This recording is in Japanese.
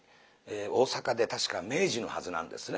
大阪で確か明治のはずなんですね